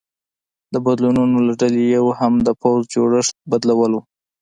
د بدلونونو له ډلې یو هم د پوځ جوړښت بدلول و